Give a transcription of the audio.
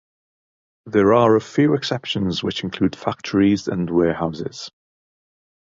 There are a few exceptions which include factories and warehouses.